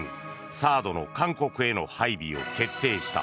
ＴＨＡＡＤの韓国への配備を決定した。